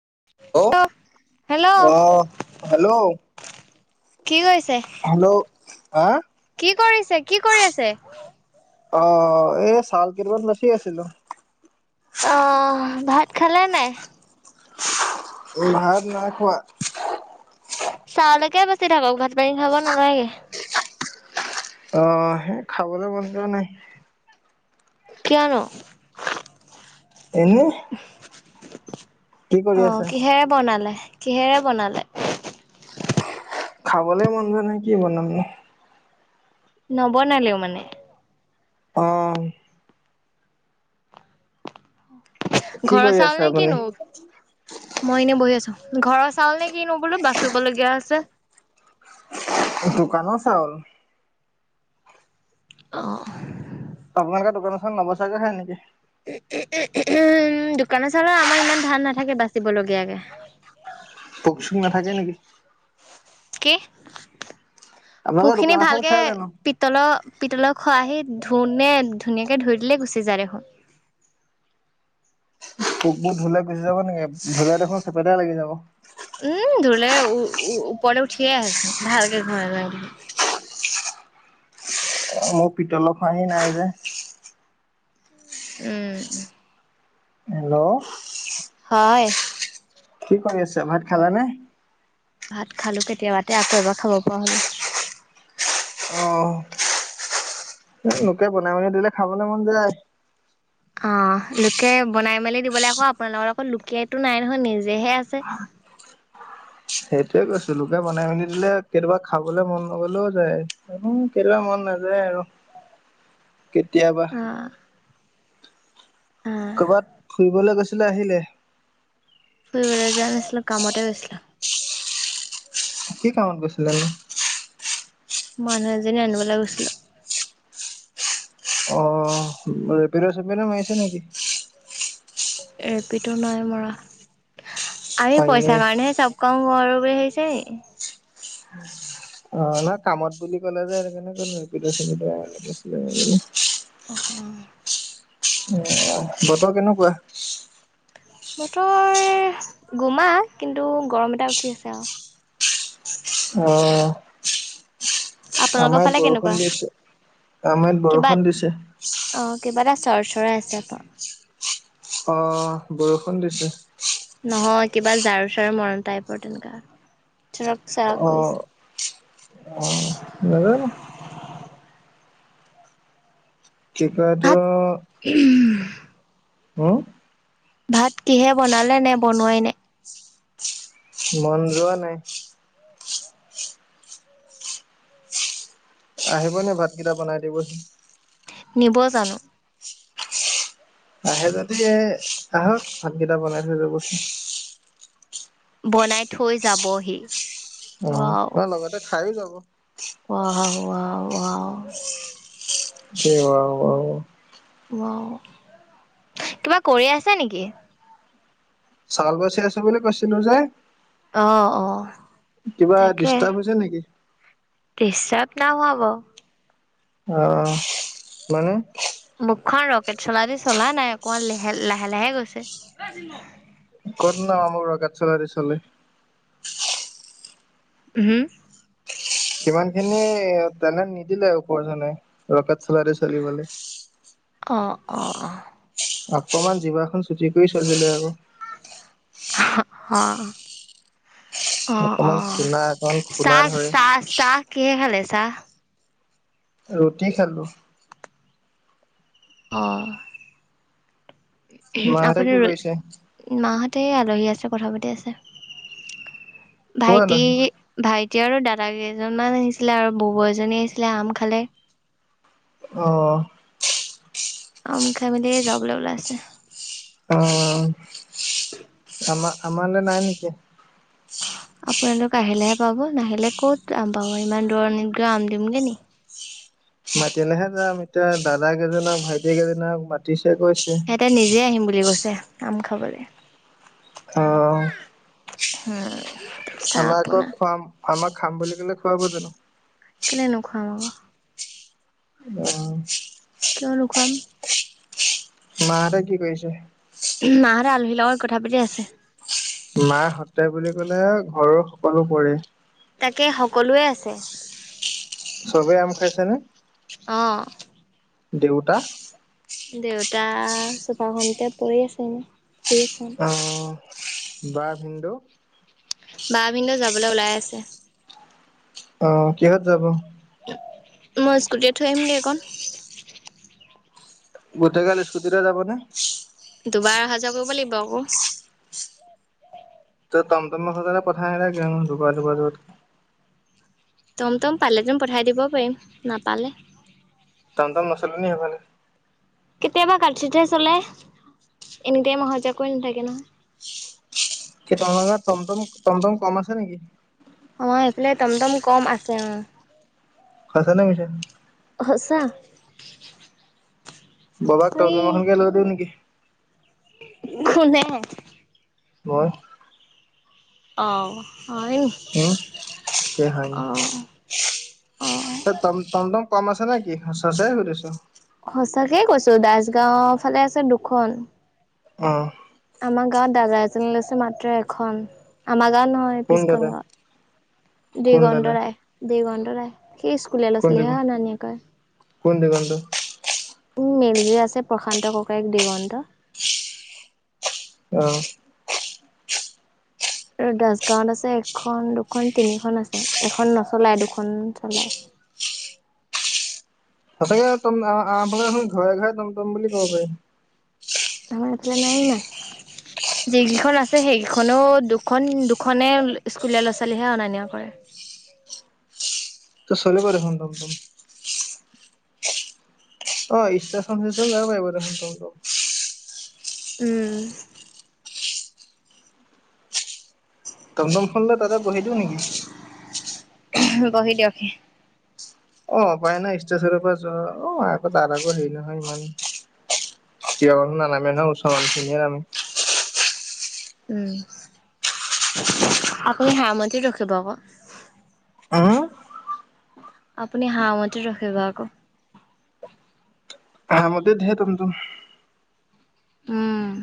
Hello hello অ', hello কি কৰিছে? হেল্ল' হা? কি কৰিছে কি কৰি আছে? অ', এই চাউল কেইতামান বাচি আছিলোঁ। অহ ভাত খালে নাই? ভাত নাই খোৱা। চাউলৈকে বাচি থাকক ভাত পানী খাব নালাগে। অ', সেই খাবলৈ মন যোৱা নাই। কিয় নো? এনে কি কৰি অ', আছে? কিহেৰে বনালে কিহেৰে বনালে? খাবলৈ মন যোৱা নাই কি বনাম। নবনালেও মানে অ', কি ঘৰৰ কৰি আছে চাউল নে আপুনি? কিনো, মই এনে বহি আছোঁ। ঘৰৰ চাউল নে কিনো বোলো বাচিবলগীয়া আছে। অ' দোকান চাউল। আহ আপোনালোক দোকানখন নব চাগে খায় নেকি? [unintelligible] উম, দোকানৰ চাউল আমাৰ ইমান ধান নাথাকে বাচিব লগীয়াকে। পোক চুক নাথাকে নেকি? কি আপোনালোকে পোকখিনি দোকানৰ চাউল ভালকে খাই জানো? পিতলৰ পিতলৰ খৰাহিত। ধু নে ধুনীয়াকে ধুই দিলেই গুচি যায় দেখোন। পোকবোৰ ধুলে গুচি যাব নেকি ধুলে দেখোন চেপেটাই লাগি যাব। উম, ধুলে ওপৰলে উঠিয়ে আহে ভালকে ঘহিলে দিলে। অ' পিতল খৰাহি নাই যে। উম। হেল্ল' হয়। কি কৰি আছে ভাত খালে নে? ভাত খালো কেতিয়াবাতে আকৌ এবাৰ খাব পৰা হ'লো। আহ' লোকে বনাই বনাই দিলে খাবলে মন যায়। অ' লোকে বনাই মেলি দিবলৈ আকৌ আপোনালোকৰ আকৌ লুকিয়টো নাই নহয় নিজেহে আছে। [inaudible] সেইটোয়ে কৈছো লোকে বনাই মেলি দিলে কেতিয়াবা খাবলৈ মন নগ'লেও যায় কেতিয়াবা মন। নাযায় আৰু কেতিয়াবা। অ অ ক'ৰবাত ফুৰিবলৈ গৈছিলে আহিলে? ফুৰিবলৈ যোৱা নাছিলো, কামতে গৈছিলো। কি কামত গৈছিলেনো? মানুহ এজনী আনিবলৈ গৈছিলো। অ' ৰেপিড, চেপিদো মাৰিছে নেকি? ৰেপিড নাই মৰা। আমি অ', এনেই পইচাৰ কাৰণেহে চৱ কওঁ। কৰোঁ বুলি ভাবিছে নেকি? অ' না কামত বুলি ক'লে যে, সেইকাৰণে কলো ৰেপিড, চেপিদ আনিব গৈছিল নেকি। [unintelligible] উম, বতৰ কেনেকুৱা? বতৰ গোমা, কিন্তু গৰম এটা উঠি আছে আৰু। [inaudible] অ'। আপোনালোকৰ আমাৰ ইয়াত ফালে বৰষুণ কেনেকুৱা? দি আছে, আমাৰ ইয়াত বৰষুণ দিছে। চৰ্চৰাই আছে একদম। অ' বৰষুণ দিছে। নহয় কিবা ঝাৰু চাৰু মৰান টাইপৰ তেনেকা। চোৰক, চাৰাক অ', কৰিছে। নাজানো কি কয় এইটো? ভাত হম। ভাত কিহে বনালে নে বনোৱাই নাই। মন যোৱা নাই। আহিবনে ভাতকেইটা বনাই দিবহি। দিব ব জানো? আহে যদি এ আহক ভাতকেইটা বনাই থৈ যাবহি। বনাই থৈ যাবহি। অ' ৱাও ত লগতে খাইও যাব। Wow, wow, wow. কি ৱাও, ৱাও, ৱাও। ৱাও। কিবা কৰি আছা নেকি? চাউল বাচি আছো বুলি কৈছিলো যে। অ অ কিবা, ডিষ্টাৰ্ব হৈছে নেকি? ডিষ্ট্ৰাব নাই হোৱা বাৰু। অ' মানে। মুখখন ৰকেট চলা দি চলা নাই অকমান লে লাহে লাহে গৈছে। ক'তনো আমাৰ ৰকেট চলা দি চলে। হম। সিমান খিনি তেনে নিদিলে ওপৰজনে ৰকেট চলা দি চলিবলৈ। অ' অ' অ'। অকমান জিবাখন চুটি কৰি থয়দিলে আকৌ। হা। অ' অকমান অ' খুনা অকমান খুনা চাহ, ধৰে চাহ, চাহ কিহে খালে চাহ? ৰুটি খালো। অ'। মাহঁতে আপোনি, কি কৰিছে? ৰ মাহঁতে বহি আছে কথা পাতি আছে। ভাইটি, ক'ৰ ভাইটি, আলহী? এতিয়া আৰু দাদা কেইজনমান আহিছিলে। আৰু বৌ ব এজনী আহিছিলে আম খালে। অহ। আম খাই মেলি যাবলৈ ওলাইছে। অ'। আমাৰ আমালৈ নাই নেকি? [unintelligible] আপোনালোক আহিলেহে পাব, নাহিলে ক'ত আম পাব, ইমান দূৰণিত গৈ আম দিমগে নিকি। মাতিলেহে যাম, এতিয়া দাদা কেইজনক ভাইটি কেইজনাক মাতিছ। সিহঁতে নিজে আহিম বুলি কৈছে আম খাবলৈ। অহ' হম। আমাক আকৌ খুৱাম আমাক খাম বুলি ক'লে খোৱাব জানো। কেলে নোখোৱাম আক অ' কিয় নোখোৱাম। মা হঁতে কি কৰিছে? মাহতে আলহী লগত কথা পাতি আছে। মাহতে বুলি ক'লে ঘৰৰ সকলো পৰে। তাকে সকলোৱে আছে। চবেই আম খাইছেনে অ দেউতা। দেউতা চোফা খনতে পৰি আছে এনে। শুই আছে। অ' বাৰ ভিন্দু। বাহ ভিন্দু যাবলৈ ওলাই আছে। অ' কিহত যাব। মই স্কুটি থয় আহিমগৈ এই খন। গোটেই গাল স্কুটিতে যাবনে? দুবাৰ অহা যোৱা কৰিব লাগিব আকৌ। ত, টমটম সেই পঠাই নিদিয় কিয় নো দুবা দুবা যোৱাতকৈ। তম তম পালেতোন পঠাই দিব পাৰিম, নাপালে। তম তাম নচল হেফালে। কেতিয়াবা কাটছতে চলে এনেটাইম এনি টাইম অহা যোৱা কৰি নাথাকে নহয়। কি তম টমটম টমটম কম আছে নেকি। অ' এইফালে টমটম কম আছে অ'। সঁচা নে মিছা? সঁচা। ববাক এই টমটম এখনকে লৈ দিওঁ নেকি? কোনে? মই। অ' হয়নি, উম অ'। এ, টমটম কম আছে নেকি, সচাই সুধিছোঁ? সঁচাকেই কৈছোঁ, দাচগাঁও ফালে আছে দুখন। অ'। আমাৰ গাঁৱত দাদা এজনে লৈছে মাত্ৰ এখন। আমাৰ দা নহয় কোন পিছখন দাদা গাঁৱত। কোন দাদা দেগন্দ ৰায় দেগন্দ ৰায়। সেই স্কুলে কোন লৈছিলি হা দিগন্ত নানীয়ে কয়। কোন দিগন্ত? উ, মেইল যে আছে প্ৰশান্ত ককায়েক দিগন্ত। অ'। আৰু দাচগাঁৱত আছে এখন দুখন তিনিখন আছে। এখন নচলাই দুখন চলাই। উ সঁচাকে টম আ-আফালে হন ঘৰে ঘৰে টমটম বুলি ক'ব পাৰি। আমাৰ এইফালে নাই ইমান। যিকেইখন আছে সেইকেইখনো দুখন দুখনে স্কুলীয়া ল'ৰা ছোৱালীহে অনা নিয়া কৰে। [inaudible] তে চলিব দেখোন টমটম। অ' ইষ্টেচন চিষ্টে যাব পাৰিব দেখোন টমটম। উম। টমটমখন লৈ তাতে বহি দিওঁ নেকি? বহি দিয়কহি। অ' উপায় নাই, ষ্টেশচনৰ পৰা যোৱা অ' আকৌ তাৰ আকৌ হেৰি নহয় ইমান তিয়কত নানামে নহয়, ওচৰৰ নিছিয়া নামে। উম। আপুনি হামন্তিত ৰখিব আকৌ। উ? আপুনি হামতিত ৰখিব আকৌ। হামতিত দেৰ টমটম। উম।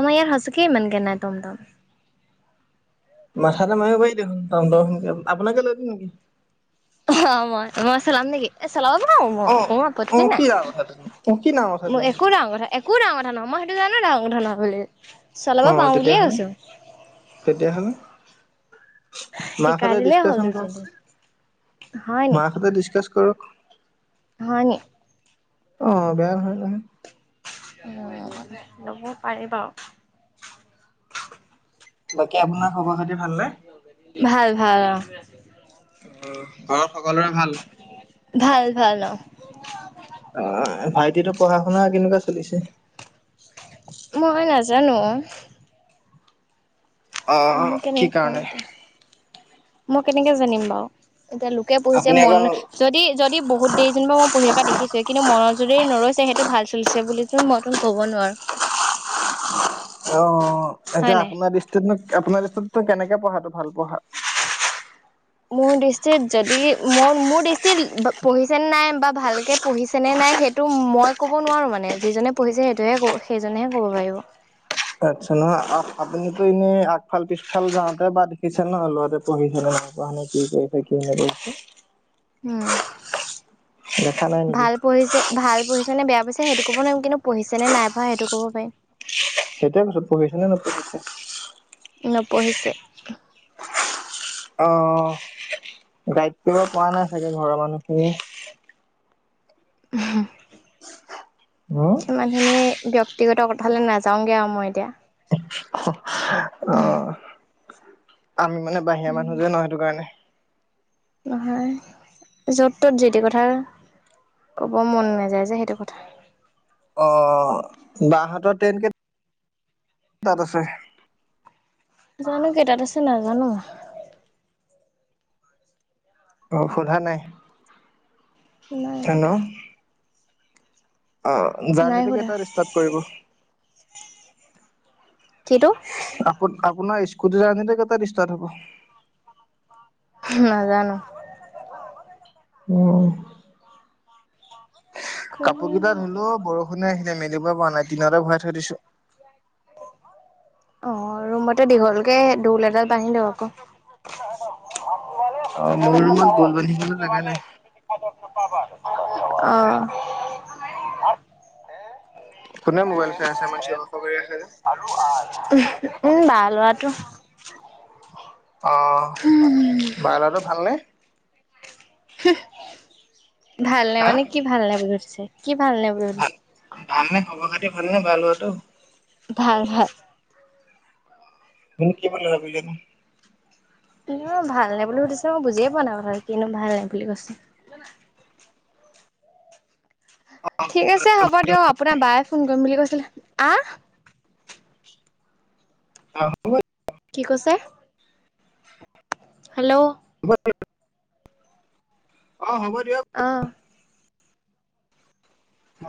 আমাৰ ইয়াত সঁচাকেই ইমানকে নাই টমটম। মাথাটা মাৰি কৰি দেখোন, টমটম আপোনাকে লৈ দিম নেকি? অ' মই, মই চলাম নেকি? চলাব জানো অ মই, মোৰ অ আপত্তি নাই। কি ডাঙৰ কথাটোনো অ কি ডাঙৰ কথাটোনো একো ডাঙৰ কথা এক কো ডাঙৰ কথা নহয়, মই সেইটো জানো ডাঙৰ কথা নহয় বুলি। চলাব অ' পাৰো বুলিয়ে তেতিয়াহ'লে কৈছো তেতিয়াহ'লে? মাৰ শিকাই সতে দিলেই হ'ল ডিছকাচন দুই কৰ, তিনিদিন মাৰ সতে ডিছকাচন কৰক। হয়নি? অ' বেয়া হয়, নহয়। অ' ল'ব পাৰি বাৰু। বাকী আপোনাৰ খবৰখাতি ভালনে? ভাল ভাল অ'। অ' ঘৰত সকলোৰে ভাল? ভাল ভাল অ'। অ' ভাইটিটোৰ পঢ়া শুনা কেনেকুৱা চলিছে? মই নাজানো। অ মইনো কেনেকে কি কম কাৰণে এতিয়া? মই কেনেকে জানিম বাৰু। এতিয়া লোকে পঢ়িছে আপুনি মন অকল যদি, যদি বহুত দেৰি যেনিবা মই পঢ়ি থকা দেখিছোৱে কিন্তু মনত যদি নৰৈছে, সেইটো ভাল। চছে বুলিিতো মইতো ক'ব নোৱাৰো অ', হয় এতিয়া নাই আপোনাৰ দৃষ্টিতনো আপোনাৰ। নো কেনেকে পঢ়াটো ভাল পোৱা হয়। মোৰ দৃষ্টিত যদি, মোৰ মোৰ দৃষ্টিত পঢ়িছেন নাই বা ভালকে পঢ়িছেনে নাই। নাই, সেইটো মই ক'ব নোৱাৰো মানে, যিজনে পঢ়িছে সেইটোহে সেইজনেহে ক'ব পাৰিব। আচ্ছা নহয়, আপুনিতো এনেই আগফাল পিছফাল যাওঁতে বা দেখিছে নহয় ল'ৰাটোৱে পঢ়িছে নাই। গম নোপোৱানে কি কৰিছে? কি নকৰিছে? উম্, দেখা নাই নেকি ভাল পঢ়িছে, ভাল পঢ়িছে নে বেয়া পঢ়িছে, সেইটো কব নোৱাৰিম কিন্তু। পঢ়িছে নে নাই পঢ়া, সেইটো ক'ব পাৰিম। সেইটোয়ে কইছো, পঢ়িছে নে নপঢ়িছে। নপঢ়িছে। অ' গাইড কৰিব পৰা নাই চাগে, ঘৰৰ মানুহখিনিয়ে। ওহু্, হুম সিমানখিনি ব্যক্তি। ব্যক্তিগত কথালে নাযাওঁগৈ আৰু মই এতিয়া। অ'। আমি মানে বাহিৰা মানুহ যে ন, সেইটো কাৰণে। নহয়, য'ত ত'ত যি টি কথা। ক'ব মন নাযায় যে, সেইটো কথা। অ' বা হতৰ ট্ৰেইন কেতিয়া। তাত আছে। জানো কেইটাত আছে, নাজানো মই। অ' সোধা নাই। নাই হেল্ল' সোধা। অ', নাই জাৰ্ণিটো সোধা কেইটাত ষ্টাৰ্ট কৰিব। কিটো আপোনা আপোনাৰ স্কু। কুটী জাৰ্নীটো কেইটাত ষ্টাৰ্ট হ'ব। নাজানো। উম্। কাপোৰ কেইটা ধুলো, বৰষুণে আহিলে, মেলিবই পৰা নাই তিঙটে ভৰাই থৈ দিছো। অ', ৰুমতে দীঘলকে দোল এডাল বান্ধি ল আকৌ। মে অ মোৰ ত ৰুমত বল বান্ধিবলৈ লগা দে নাই অ'। কোনে মোবাইল চাই আছে। ইমান চিঞৰ বাখৰ কৰি আছে যে। উম্, বা ল'ৰাটো। অ', বা ল'ৰাটো ভালনে? ভালনে হা মানে, কি ভালনে বুলি সুধিছে? কি ভালনে বুলি ভাল। সুধিছে। ভালনে খবৰ খাতি ভালনে বা ল'ৰাটো। ভাল ভাল। মোক কি বুলি ভাবিলে। নহয়, ভাল নে বুলি সুধিছে, মই বুজিয়ে পোৱা নাই কথাটো, কিনো ভালনে বুলি কৈছে। ঠিক আছে হ'ব দিয়ক, আপোনাৰ বায়ে ফোন কৰিম বুলি কৈছিলে, আহ্। আহ্ এই। কি কৈছে? হেল্ল'। অ' হ'ব দিয়ক বোলো। অ অ'।